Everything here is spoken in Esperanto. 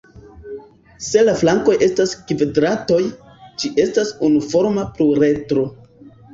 Se la flankoj estas kvadratoj, ĝi estas unuforma pluredro.